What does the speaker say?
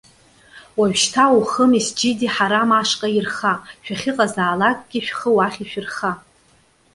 Уажәшьҭа ухы Месџьиди Ҳарам ашҟа ирха, шәахьыҟазаалакгьы шәхы уахь ишәырха.